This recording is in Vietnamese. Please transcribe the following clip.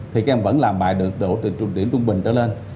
thì các em vẫn làm bài được độ từ điểm trung bình trở lên